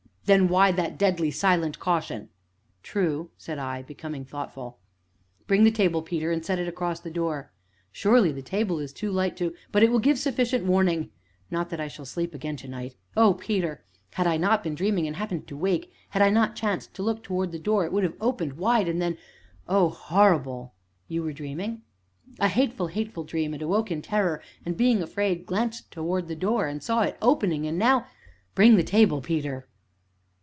"Then why that deadly, silent caution?" "True!" said I, becoming thoughtful. "Bring the table, Peter, and set it across the door." "Surely the table is too light to " "But it will give sufficient warning not that I shall sleep again to night. Oh, Peter! had I not been dreaming, and happened to wake had I not chanced to look towards the door, it would have opened wide, and then oh, horrible!" "You were dreaming?" "A hateful, hateful dream, and awoke in terror, and, being afraid, glanced towards the door, and saw it opening and now bring the table, Peter."